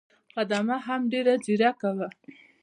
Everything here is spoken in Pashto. خدمه هم ډېره ځیرکه وه.